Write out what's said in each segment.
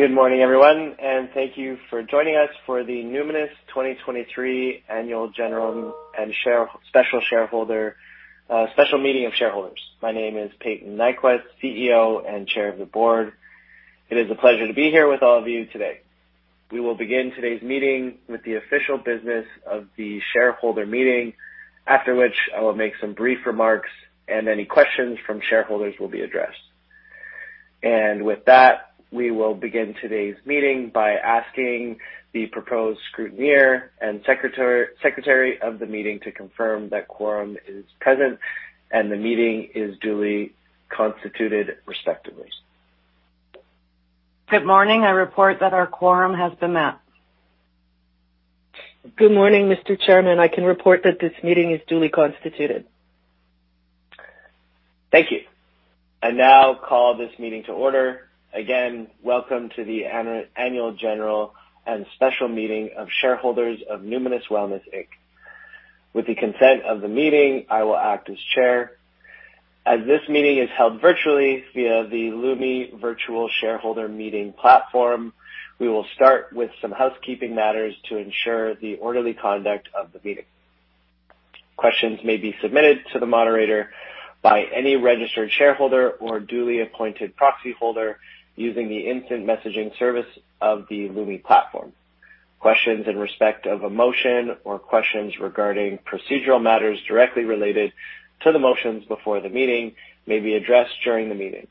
Good morning, everyone, thank you for joining us for the Numinus 2023 Annual General and Special Shareholder, Special Meeting of Shareholders. My name is Payton Nyquvest, CEO and Chair of the Board. It is a pleasure to be here with all of you today. We will begin today's meeting with the official business of the shareholder meeting, after which I will make some brief remarks, any questions from shareholders will be addressed. With that, we will begin today's meeting by asking the proposed scrutineer and secretary of the meeting to confirm that quorum is present and the meeting is duly constituted respectively. Good morning. I report that our quorum has been met. Good morning, Mr. Chairman. I can report that this meeting is duly constituted. Thank you. I now call this meeting to order. Welcome to the Annual General and Special Meeting of Shareholders of Numinus Wellness Inc. With the consent of the meeting, I will act as Chair. As this meeting is held virtually via the Lumi Virtual Shareholder Meeting platform, we will start with some housekeeping matters to ensure the orderly conduct of the meeting. Questions may be submitted to the moderator by any registered shareholder or duly appointed proxy holder using the instant messaging service of the Lumi platform. Questions in respect of a motion or questions regarding procedural matters directly related to the motions before the meeting may be addressed during the meeting.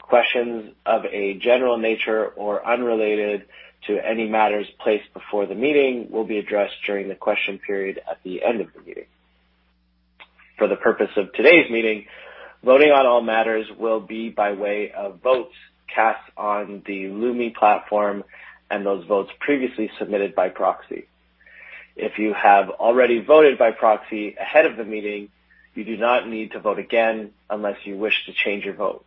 Questions of a general nature or unrelated to any matters placed before the meeting will be addressed during the question period at the end of the meeting. For the purpose of today's meeting, voting on all matters will be by way of votes cast on the Lumi platform and those votes previously submitted by proxy. If you have already voted by proxy ahead of the meeting, you do not need to vote again unless you wish to change your vote.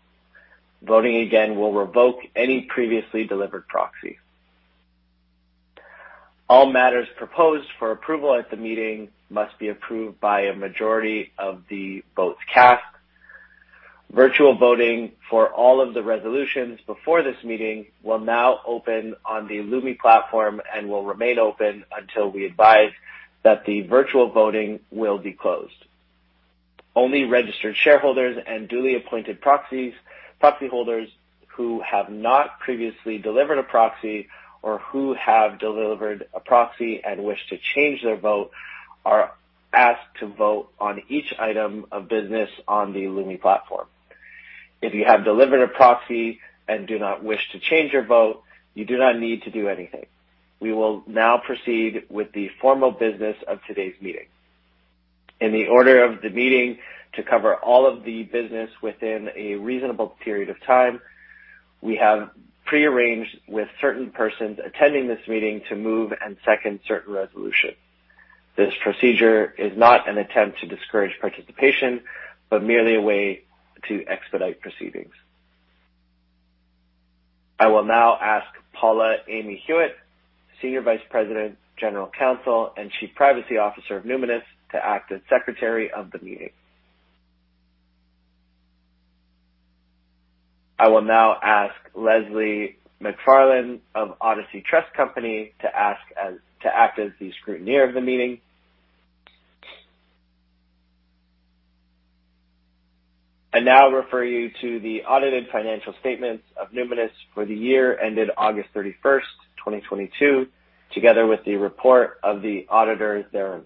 Voting again will revoke any previously delivered proxy. All matters proposed for approval at the meeting must be approved by a majority of the votes cast. Virtual voting for all of the resolutions before this meeting will now open on the Lumi platform and will remain open until we advise that the virtual voting will be closed. Only registered shareholders and duly appointed proxies, proxy holders who have not previously delivered a proxy or who have delivered a proxy and wish to change their vote are asked to vote on each item of business on the Lumi platform. If you have delivered a proxy and do not wish to change your vote, you do not need to do anything. We will now proceed with the formal business of today's meeting. In the order of the meeting to cover all of the business within a reasonable period of time, we have prearranged with certain persons attending this meeting to move and second certain resolutions. This procedure is not an attempt to discourage participation, but merely a way to expedite proceedings. I will now ask Paula Amy Hewitt, Senior Vice President, General Counsel, and Chief Privacy Officer of Numinus, to act as Secretary of the meeting. I will now ask Leslie McFarlane of Odyssey Trust Company to act as the scrutineer of the meeting. I now refer you to the audited financial statements of Numinus for the year ended August 31st, 2022, together with the report of the auditors therein.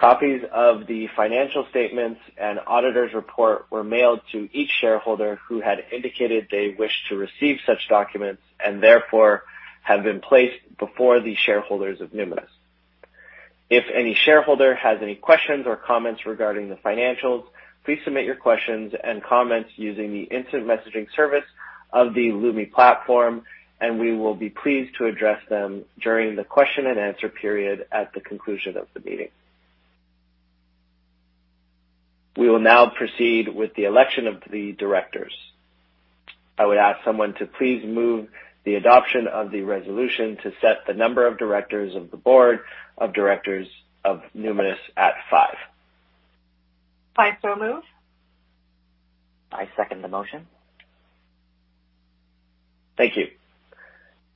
Copies of the financial statements and auditors' report were mailed to each shareholder who had indicated they wish to receive such documents and therefore have been placed before the shareholders of Numinus. If any shareholder has any questions or comments regarding the financials, please submit your questions and comments using the instant messaging service of the Lumi platform, and we will be pleased to address them during the question and answer period at the conclusion of the meeting. We will now proceed with the election of the directors. I would ask someone to please move the adoption of the resolution to set the number of directors of the Board of Directors of Numinus at five. Five so moved. I second the motion. Thank you.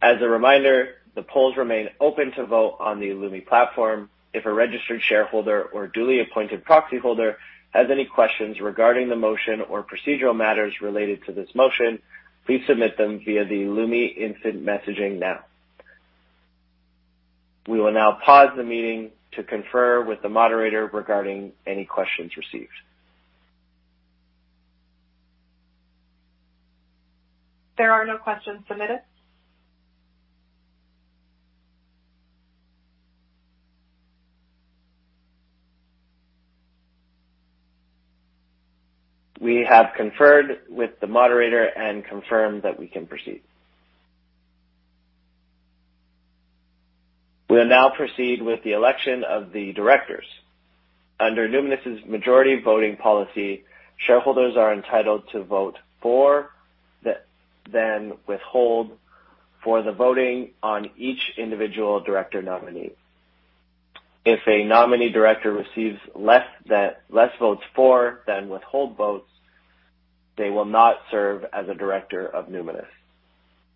As a reminder, the polls remain open to vote on the Lumi platform. If a registered shareholder or duly appointed proxy holder has any questions regarding the motion or procedural matters related to this motion, please submit them via the Lumi instant messaging now. We will now pause the meeting to confer with the moderator regarding any questions received. There are no questions submitted. We have conferred with the moderator and confirmed that we can proceed. We will now proceed with the election of the directors. Under Numinus' majority voting policy, shareholders are entitled to vote for the than withhold for the voting on each individual director nominee. If a nominee director receives less votes for than withhold votes, they will not serve as a director of Numinus.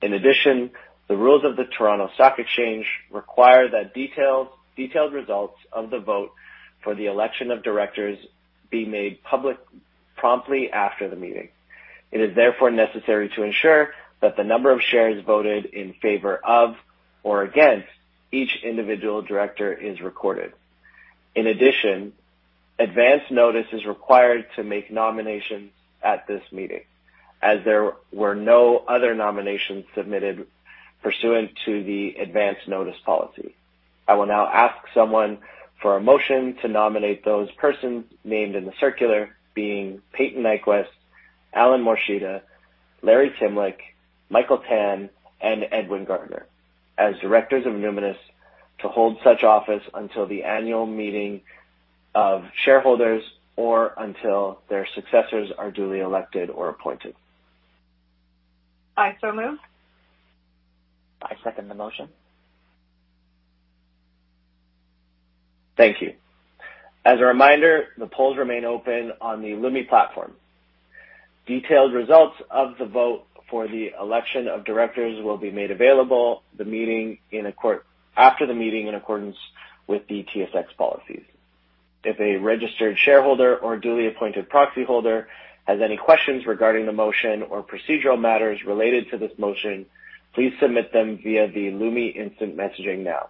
In addition, the rules of the Toronto Stock Exchange require that details, detailed results of the vote for the election of directors be made public promptly after the meeting. It is therefore necessary to ensure that the number of shares voted in favor of or against each individual director is recorded. In addition, advance notice is required to make nominations at this meeting, as there were no other nominations submitted pursuant to the advance notice policy. I will now ask someone for a motion to nominate those persons named in the circular, being Payton Nyquvest, Allen Morishita, Larry Timlick, Michael Tan, and Edwin Garner as directors of Numinus to hold such office until the annual meeting of shareholders or until their successors are duly elected or appointed. I so move. I second the motion. Thank you. As a reminder, the polls remain open on the Lumi platform. Detailed results of the vote for the election of directors will be made available after the meeting in accordance with the TSX policies. If a registered shareholder or duly appointed proxyholder has any questions regarding the motion or procedural matters related to this motion, please submit them via the Lumi instant messaging now.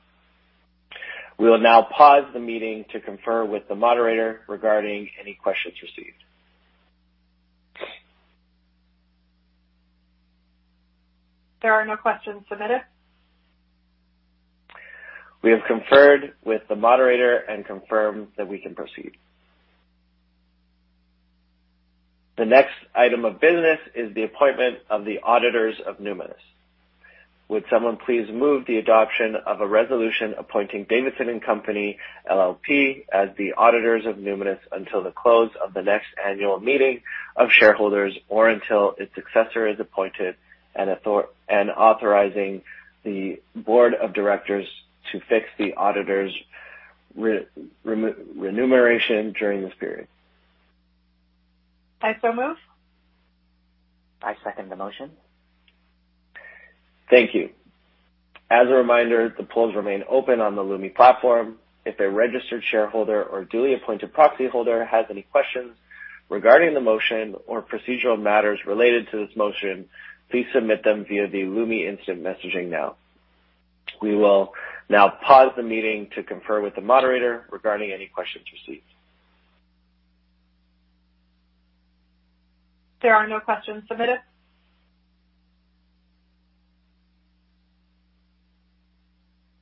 We will now pause the meeting to confer with the moderator regarding any questions received. There are no questions submitted. We have conferred with the moderator and confirmed that we can proceed. The next item of business is the appointment of the auditors of Numinus. Would someone please move the adoption of a resolution appointing Davidson & Company LLP as the auditors of Numinus until the close of the next annual meeting of shareholders or until its successor is appointed and authorizing the board of directors to fix the auditors renumeration during this period. I so move. I second the motion. Thank you. As a reminder, the polls remain open on the Lumi platform. If a registered shareholder or duly appointed proxyholder has any questions regarding the motion or procedural matters related to this motion, please submit them via the Lumi instant messaging now. We will now pause the meeting to confer with the moderator regarding any questions received. There are no questions submitted.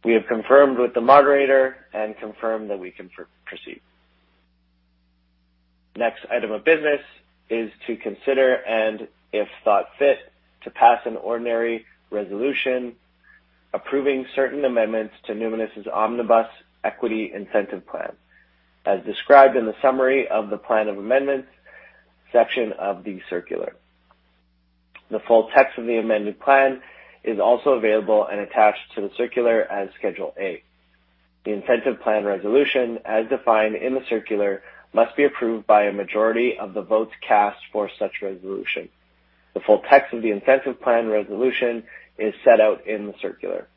We have confirmed with the moderator and confirmed that we can proceed. Next item of business is to consider, and if thought fit, to pass an ordinary resolution approving certain amendments to Numinus' Omnibus Equity Incentive Plan as described in the summary of the plan of amendments section of the circular. The full text of the amended plan is also available and attached to the circular as Schedule A. The incentive plan resolution, as defined in the circular, must be approved by a majority of the votes cast for such resolution. The full text of the incentive plan resolution is set out in the circular.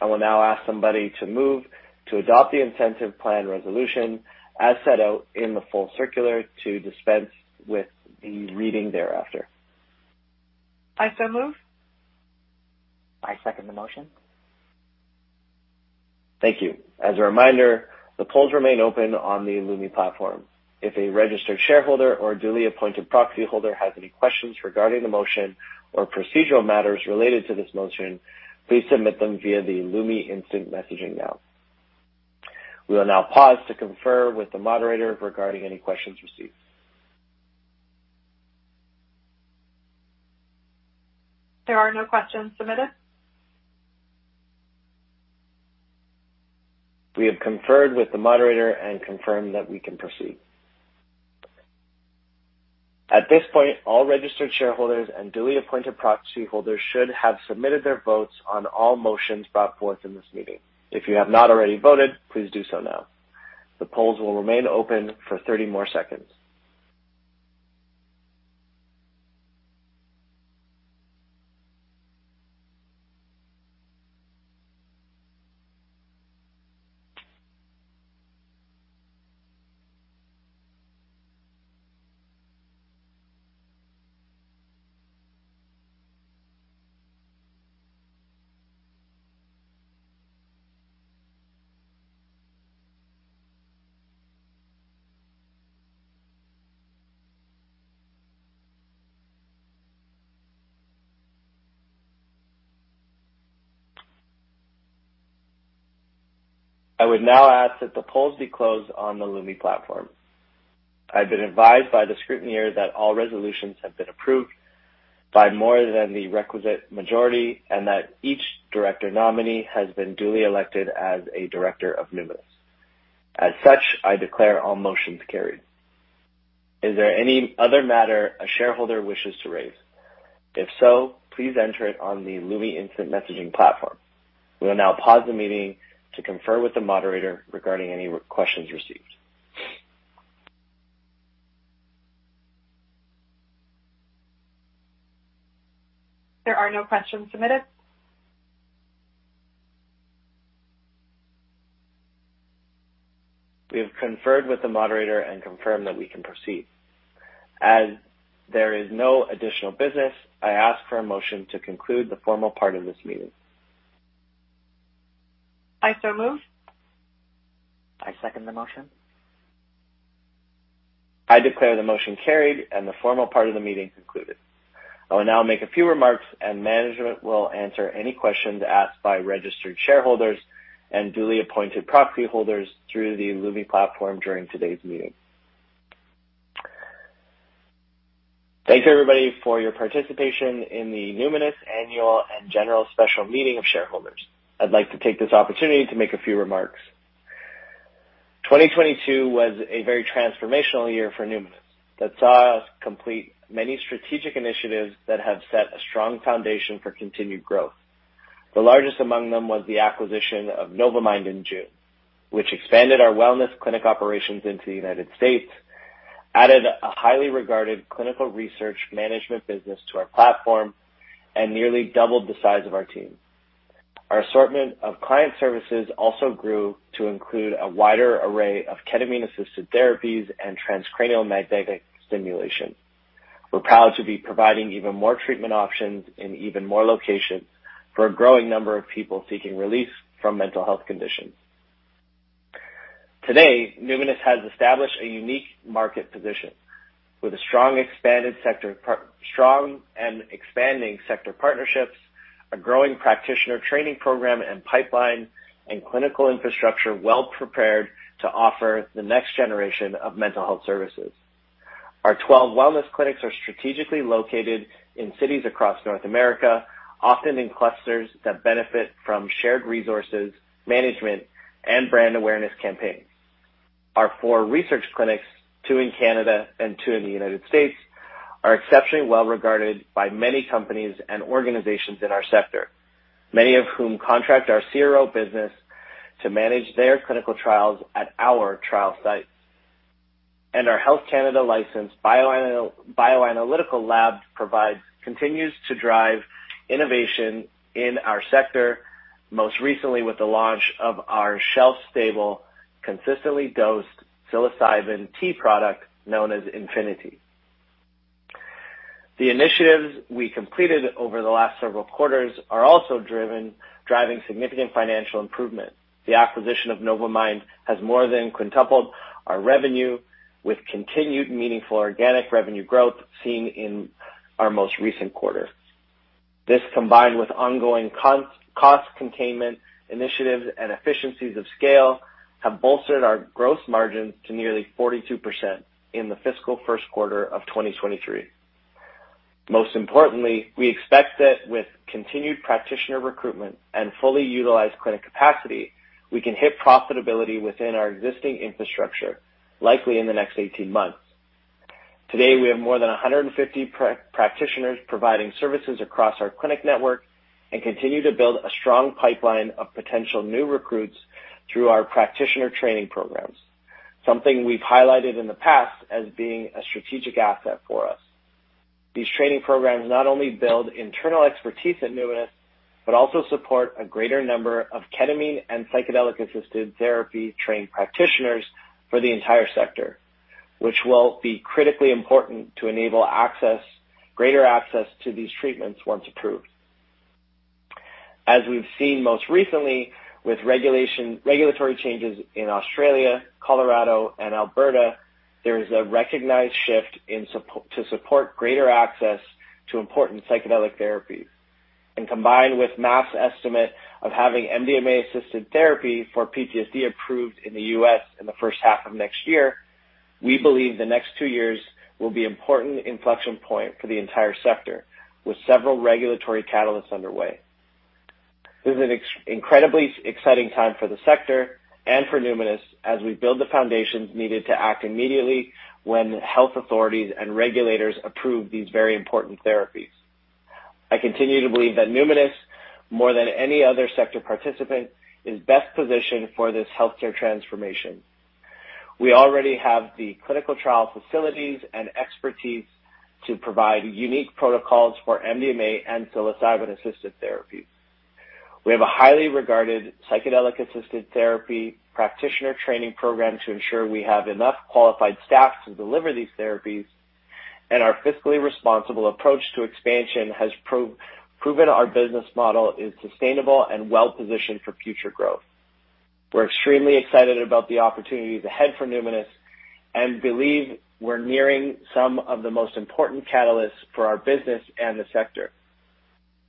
I will now ask somebody to move to adopt the incentive plan resolution as set out in the full circular to dispense with the reading thereafter. I so move. I second the motion. Thank you. As a reminder, the polls remain open on the Lumi platform. If a registered shareholder or duly appointed proxyholder has any questions regarding the motion or procedural matters related to this motion, please submit them via the Lumi instant messaging now. We will now pause to confer with the moderator regarding any questions received. There are no questions submitted. We have conferred with the moderator and confirmed that we can proceed. At this point, all registered shareholders and duly appointed proxyholders should have submitted their votes on all motions brought forth in this meeting. If you have not already voted, please do so now. The polls will remain open for 30 more seconds. I would now ask that the polls be closed on the Lumi platform. I've been advised by the scrutineer that all resolutions have been approved by more than the requisite majority, and that each director nominee has been duly elected as a director of Numinus. As such, I declare all motions carried. Is there any other matter a shareholder wishes to raise? If so, please enter it on the Lumi instant messaging platform. We will now pause the meeting to confer with the moderator regarding any questions received. There are no questions submitted. We have conferred with the moderator and confirmed that we can proceed. As there is no additional business, I ask for a motion to conclude the formal part of this meeting. I so move. I second the motion. I declare the motion carried and the formal part of the meeting concluded. I will now make a few remarks and management will answer any questions asked by registered shareholders and duly appointed proxy holders through the Lumi platform during today's meeting. Thanks everybody for your participation in the Numinus Annual and General Special Meeting of Shareholders. I'd like to take this opportunity to make a few remarks. 2022 was a very transformational year for Numinus that saw us complete many strategic initiatives that have set a strong foundation for continued growth. The largest among them was the acquisition of Novamind in June, which expanded our wellness clinic operations into the United States, added a highly regarded clinical research management business to our platform, and nearly doubled the size of our team. Our assortment of client services also grew to include a wider array of ketamine-assisted therapies and transcranial magnetic stimulation. We're proud to be providing even more treatment options in even more locations for a growing number of people seeking relief from mental health conditions. Today, Numinus has established a unique market position with a strong and expanding sector partnerships, a growing practitioner training program and pipeline, and clinical infrastructure well-prepared to offer the next generation of mental health services. Our 12 wellness clinics are strategically located in cities across North America, often in clusters that benefit from shared resources, management, and brand awareness campaigns. Our four research clinics, two in Canada and two in the United States, are exceptionally well regarded by many companies and organizations in our sector, many of whom contract our CRO business to manage their clinical trials at our trial sites. Our Health Canada licensed bioanalytical lab continues to drive innovation in our sector, most recently with the launch of our shelf-stable, consistently dosed psilocybin tea product known as EnfiniTea. The initiatives we completed over the last several quarters are also driving significant financial improvement. The acquisition of Novamind has more than quintupled our revenue with continued meaningful organic revenue growth seen in our most recent quarter. This, combined with ongoing cost containment initiatives and efficiencies of scale, have bolstered our gross margins to nearly 42% in the fiscal first quarter of 2023. Most importantly, we expect that with continued practitioner recruitment and fully utilized clinic capacity, we can hit profitability within our existing infrastructure, likely in the next 18 months. Today, we have more than 150 practitioners providing services across our clinic network and continue to build a strong pipeline of potential new recruits through our practitioner training programs, something we've highlighted in the past as being a strategic asset for us. These training programs not only build internal expertise at Numinus, but also support a greater number of ketamine and psychedelic-assisted therapy-trained practitioners for the entire sector, which will be critically important to enable greater access to these treatments once approved. As we've seen most recently with regulatory changes in Australia, Colorado, and Alberta, there is a recognized shift to support greater access to important psychedelic therapies. Combined with MAPS estimate of having MDMA-assisted therapy for PTSD approved in the U.S. in the first half of next year, we believe the next two years will be important inflection point for the entire sector, with several regulatory catalysts underway. This is an incredibly exciting time for the sector and for Numinus as we build the foundations needed to act immediately when health authorities and regulators approve these very important therapies. I continue to believe that Numinus, more than any other sector participant, is best positioned for this healthcare transformation. We already have the clinical trial facilities and expertise to provide unique protocols for MDMA and psilocybin-assisted therapies. We have a highly regarded psychedelic-assisted therapy practitioner training program to ensure we have enough qualified staff to deliver these therapies, and our fiscally responsible approach to expansion has proven our business model is sustainable and well-positioned for future growth. We're extremely excited about the opportunities ahead for Numinus and believe we're nearing some of the most important catalysts for our business and the sector.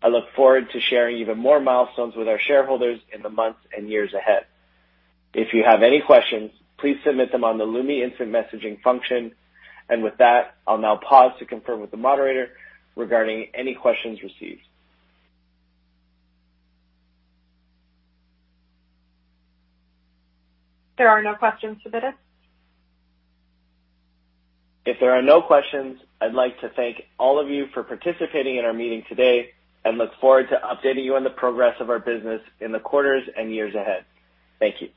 I look forward to sharing even more milestones with our shareholders in the months and years ahead. If you have any questions, please submit them on the Lumi instant messaging function. With that, I'll now pause to confirm with the moderator regarding any questions received. There are no questions submitted. If there are no questions, I'd like to thank all of you for participating in our meeting today and look forward to updating you on the progress of our business in the quarters and years ahead. Thank you.